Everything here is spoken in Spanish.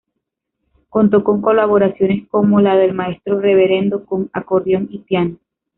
Contó con colaboraciones como la del Maestro Reverendo con acordeón y piano.